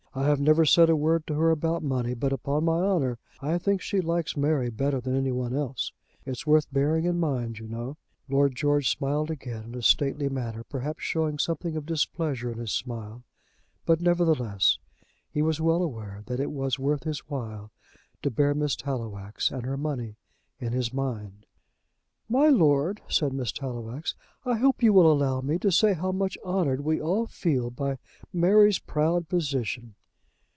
"I have never said a word to her about money, but, upon my honour, I think she likes Mary better than any one else. It's worth bearing in mind, you know." Lord George smiled again in a stately manner, perhaps showing something of displeasure in his smile. But, nevertheless, he was well aware that it was worth his while to bear Miss Tallowax and her money in his mind. "My lord," said Miss Tallowax, "I hope you will allow me to say how much honoured we all feel by Mary's proud position."